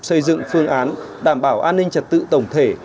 xây dựng phương án đảm bảo an ninh trật tự tổng thể